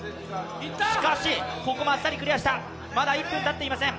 しかしここもあっさりクリアしたまだ１分たっていません。